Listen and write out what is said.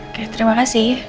oke terima kasih